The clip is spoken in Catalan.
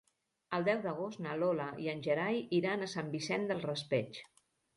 El deu d'agost na Lola i en Gerai iran a Sant Vicent del Raspeig.